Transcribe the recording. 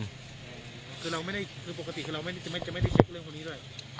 คือปกติเราจะไม่ได้เช็คเรื่องคนนี้ด้วย